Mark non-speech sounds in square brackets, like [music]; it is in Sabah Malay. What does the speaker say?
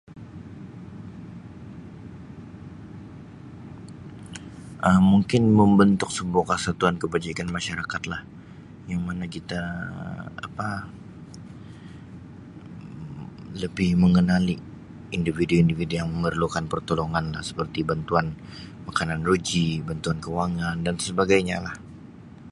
Um Mungkin membentuk [unintelligible] kesatuan kebajikan masyarakat lah yang mana kita Um apa lebih mengenali individu-individu yang memerlukan pertolongan lah seperti bantuan makanan ruji, bantuan kewangan dan sebagai nya lah.